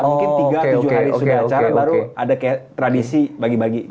mungkin tiga tujuh hari sudah acara baru ada kayak tradisi bagi bagi